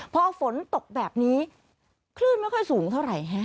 พอฝนตกแบบนี้คลื่นไม่ค่อยสูงเท่าไหร่ฮะ